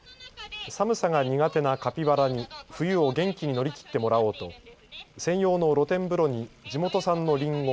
寒さが苦手なカピバラに冬を元気に乗り切ってもらおうと専用の露天風呂に地元産のりんご